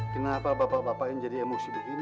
kenapa bapak bapak yang jadi emosi begini